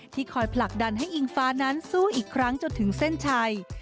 คอยผลักดันให้อิงฟ้านั้นสู้อีกครั้งจนถึงเส้นชัย